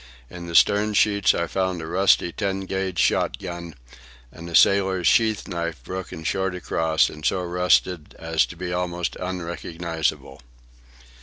In the stern sheets I found a rusty ten gauge shot gun and a sailor's sheath knife broken short across and so rusted as to be almost unrecognizable.